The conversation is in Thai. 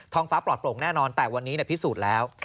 งฟ้าปลอดโปร่งแน่นอนแต่วันนี้พิสูจน์แล้ว